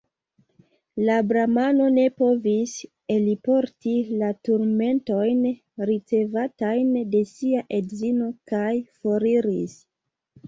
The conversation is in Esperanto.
La bramano ne povis elporti la turmentojn, ricevatajn de sia edzino, kaj foriris.